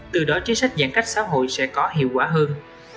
từ đó chính sách giãn cách xã hội sẽ có hiệu quả hơn